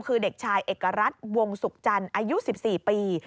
คือเด็กชายเอกรัฐวงศุกร์จันทร์อายุ๑๔ปี